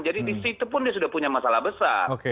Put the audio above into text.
jadi di situ pun dia sudah punya masalah besar